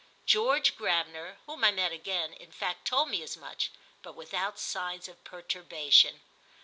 George Gravener, whom I met again, in fact told me as much, but without signs of perturbation.